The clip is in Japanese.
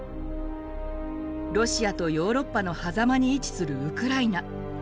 ロシアとヨーロッパのはざまに位置するウクライナ。